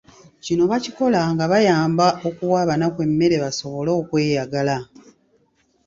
Kino bakikola nga bayamba okuwa abanaku emmere basobole okweyagala.